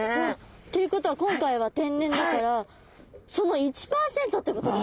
っていうことは今回は天然だからその１％ってことですか？